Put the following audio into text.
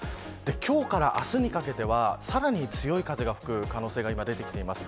今日から明日にかけてはさらに強い風が吹く可能性が出てきています。